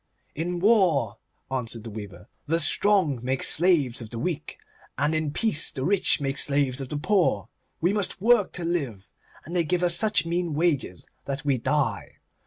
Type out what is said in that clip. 'In war,' answered the weaver, 'the strong make slaves of the weak, and in peace the rich make slaves of the poor. We must work to live, and they give us such mean wages that we die.